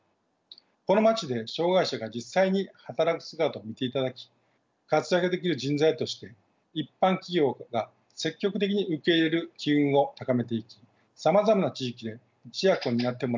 この町で障害者が実際に働く姿を見ていただき活躍できる人材として一般企業が積極的に受け入れる機運を高めていきさまざまな地域で一翼を担ってもらう。